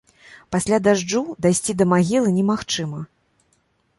Пасля дажджу дайсці да магілы немагчыма.